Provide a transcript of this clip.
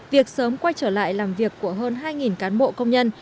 việc sớm quay trở lại làm việc của hơn hai cán bộ công nhân